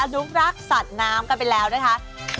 อนุรักษ์สัตว์น้ำกันไปแล้วนะคะ